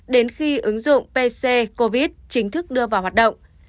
đến khi ứng dụng pc covid chính thức đưa vào hoạt động